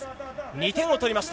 ２点を取りました。